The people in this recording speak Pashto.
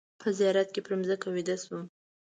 په زیارت کې پر مځکه ویده شوم.